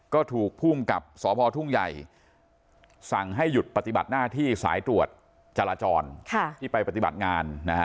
ก็ถูกภูมิกับสพทุ่งใหญ่สั่งให้หยุดปฏิบัติหน้าที่สายตรวจจราจรที่ไปปฏิบัติงาน